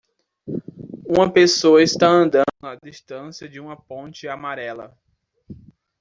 Uma pessoa está andando na distância de uma ponte amarela.